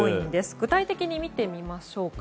具体的に見てみましょうか。